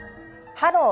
「ハロー！